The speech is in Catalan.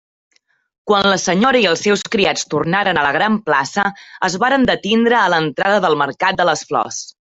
Quan la senyora i els seus criats tornaren a la gran plaça, es varen detindre a l'entrada del mercat de les flors.